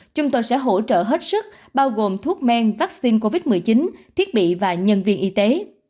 chúng tôi sẽ hỗ trợ hết sức bao gồm thuốc men vaccine covid một mươi chín thiết bị và nhân viên y tế